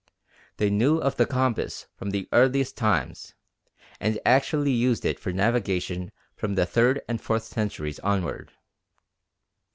They knew of the compass from the earliest times, and actually used it for navigation from the third and fourth centuries onward.